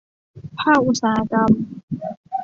ภาคอุตสาหกรรม